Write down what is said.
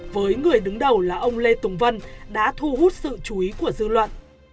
với người đứng đầu là ông lê tùng vân đã thu hút sự chú ý của dư luận